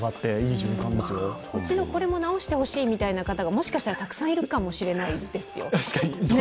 うちのこれも直してほしいみたいな方がもしかしたらたくさんいるかもしれないですよ。